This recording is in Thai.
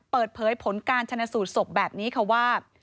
เปิดเผยผลการชนะสูตรศพแบบนี้ค่ะว่า